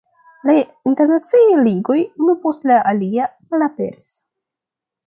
La internaciaj ligoj unu post la alia malaperis.